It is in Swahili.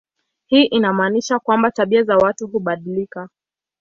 Hii inamaanisha kwamba tabia za watu hubadilika.